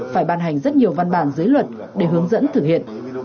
phải bàn hành rất nhiều văn bản dưới luật để hướng dẫn thử hiện